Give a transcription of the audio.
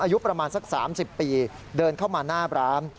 อายุประมาณสัก๓๐ปีเดินเข้ามาหน้าร้าน